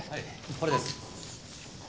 これです。